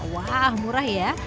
wah murah ya